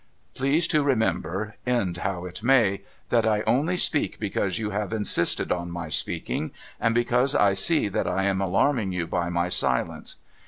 Please to remember, end how it may, that I only speak because you have insisted on my speaking, and because I see that I am alarming you by my silence.